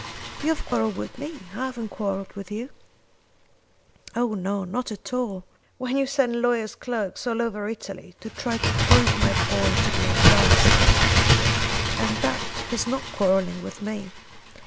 "You have quarrelled with me. I haven't quarrelled with you." "Oh no; not at all! When you send lawyer's clerks all over Italy to try to prove my boy to be a bastard, and that is not quarrelling with me!